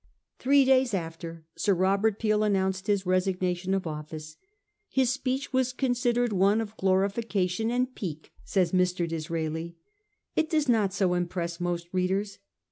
Three days after Sir Robert Peel announced his resignation of office. His speech ' was considered one of glorification and pique,' says Mr. Disraeli. It does not so impress most readers.